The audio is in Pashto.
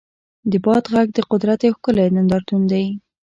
د باد غږ د قدرت یو ښکلی نندارتون دی.